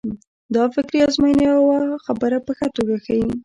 دا فکري ازموینه یوه خبره په ښه توګه ښيي.